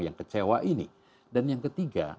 yang kecewa ini dan yang ketiga